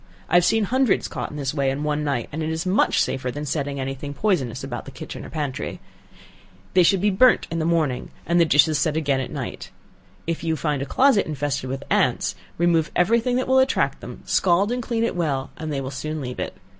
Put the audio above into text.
I have seen hundreds caught in this way in one night, and it is much safer than setting any thing poisonous about the kitchen or pantry. They should be burnt in the morning, and the dishes set again at night. If you find a closet infested with ants, remove every thing that will attract them, scald and clean it well, and they will soon leave it.